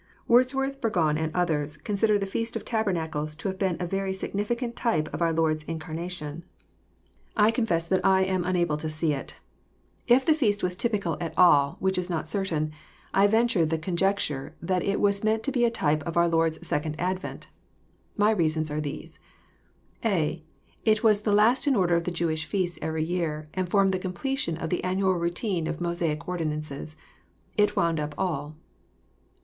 Wordsworth, Bu'*gon, and others, consider the feast of taber nacles to have been a very significant type of our Lord*s incar JoaSy CHAP. vn. 7 nation. I confess that I am unable to see it. If the feast was typical at all, which is not certain, I ventare the coDJecture, that it was meant to be a type of our Lord's second advent. My reasons are these :— (a.) It was the last in order of the Jewish feasts every year, and formed the completion of the annual routine of Mosaic ordinances. It wound up all.